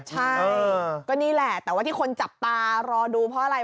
ใช่ก็นี่แหละแต่ว่าที่คนจับตารอดูเพราะอะไร